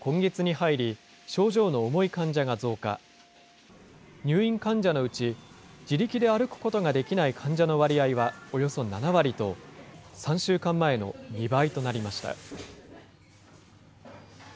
入院患者のうち、自力で歩くことができない患者の割合はおよそ７割と、３週間前の２倍となりました。